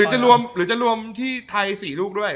หรือจะรวมที่ไทย๔ลูกด้วย